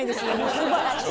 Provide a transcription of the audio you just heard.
すばらしい。